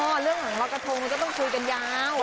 เรื่องของรอยกระทงก็ต้องคุยกันยาว